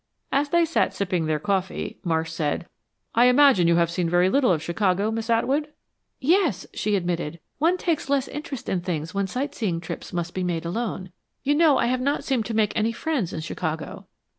As they sat sipping their coffee, Marsh said, "I imagine you have seen very little of Chicago, Miss Atwood?" "Yes," she admitted. "One takes less interest in things when sight seeing trips must be made alone. You know, I have not seemed to make any friends in Chicago."